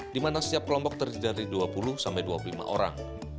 di mana setiap kelompok terdiri dari dua puluh sampai dua puluh lima orang